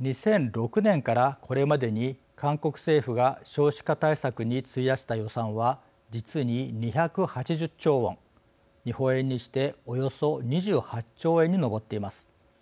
２００６年から、これまでに韓国政府が少子化対策に費やした予算は実に２８０兆ウォン日本円にしておよそ２８兆円に上っています。